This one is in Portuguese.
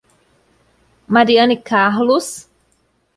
Mariana e Carlos